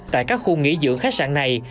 tại các khu nghỉ dưỡng khách sạn này